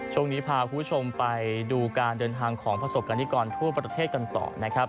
ช่วงนี้พาคุณผู้ชมไปดูการเดินทางของประสบกรณิกรทั่วประเทศกันต่อนะครับ